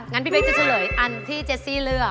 งั้นพี่เป๊กจะเฉลยอันที่เจสซี่เลือก